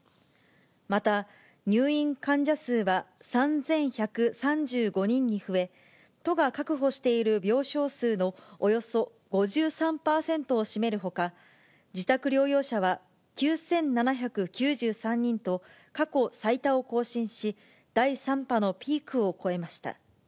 また、入院患者数は３１３５人に増え、都が確保している病床数のおよそ５３％を占めるほか、自宅療養者は９７９３人と、過去最多を更新し、第３波のピークを超えました。